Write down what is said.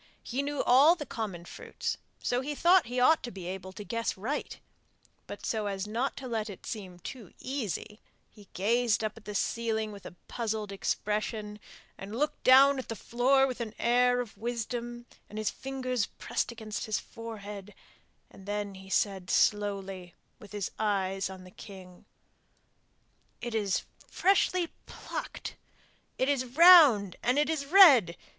He knew all the common fruits, so he thought he ought to be able to guess right; but so as not to let it seem too easy, he gazed up at the ceiling with a puzzled expression, and looked down at the floor with an air or wisdom and his fingers pressed against his forehead, and then he said, slowly, with his eyes on the king, 'It is freshly plucked! It is round and it is red!